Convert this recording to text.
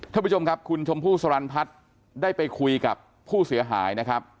ท่านผู้ชมครับคุณชมพู่สรรพัฒน์ได้ไปคุยกับผู้เสียหายนะครับ